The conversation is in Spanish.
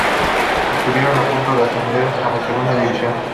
Estuvieron a punto de ascender a la segunda división.